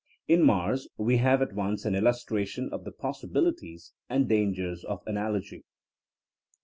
In Mars we have at once an illus tration of the possibilities and dangers of analogy.